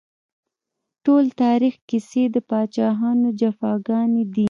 ټول تاريخ کيسې د پاچاهانو جفاګانې دي